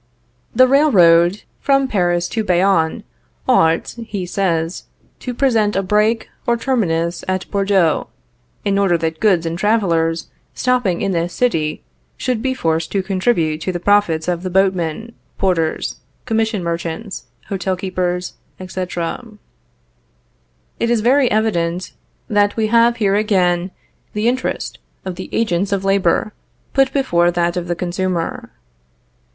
The railroad from Paris to Bayonne ought (he says) to present a break or terminus at Bordeaux, in order that goods and travelers stopping in this city should thus be forced to contribute to the profits of the boatmen, porters, commission merchants, hotel keepers, etc. It is very evident that we have here again the interest of the agents of labor put before that of the consumer.